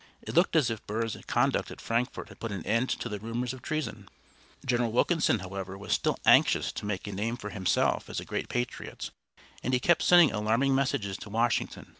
It looked as if Burr's conduct at Frankfort had put an end to the rumors of treason. General Wilkinson, however, was still anxious to make a name for himself as a great patriot, and he kept sending alarming messages to Washington.